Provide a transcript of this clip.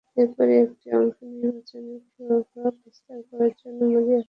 এরপরই একটি অংশ নির্বাচনে প্রভাব বিস্তার করার জন্য মরিয়া হয়ে ওঠে।